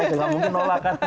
coba kita lihat dulu